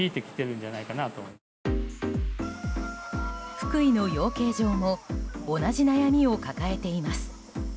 福井の養鶏場も同じ悩みを抱えています。